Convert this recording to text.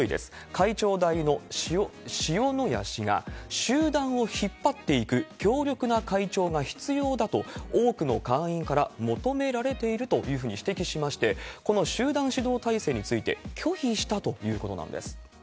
会長代理の塩谷氏が、集団を引っ張っていく強力な会長が必要だと、多くの会員から求められているというふうに指摘しまして、この集団指導体制について、拒否したということなんです。